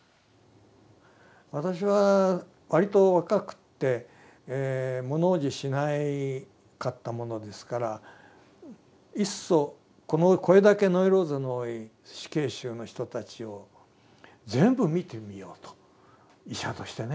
私はわりと若くって物おじしなかったものですからいっそこれだけノイローゼの多い死刑囚の人たちを全部診てみようと医者としてね。